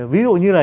ví dụ như là